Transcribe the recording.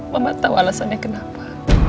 mama tau alasannya kenapa